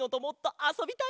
あそびたい！